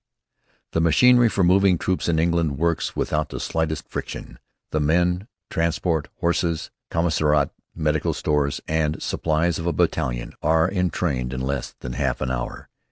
The machinery for moving troops in England works without the slightest friction. The men, transport, horses, commissariat, medical stores, and supplies of a battalion are entrained in less than half an hour.